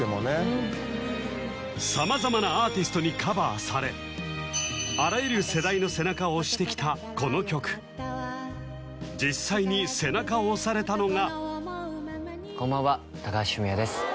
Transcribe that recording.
様々なアーティストにカバーされあらゆる世代の背中を押してきたこの曲実際に背中を押されたのがこんばんは高橋文哉です